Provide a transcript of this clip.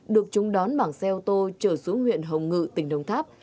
được chúng đón bằng xe ô tô trở xuống huyện hồng ngự tỉnh đồng tháp